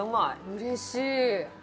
うれしい。